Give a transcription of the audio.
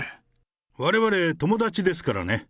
われわれ、友達ですからね。